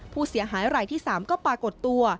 ผู้เสียหายรายที่๓ก็ปรากฏตัว